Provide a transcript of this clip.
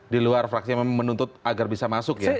di luar fraksi yang memang menuntut agar bisa masuk ya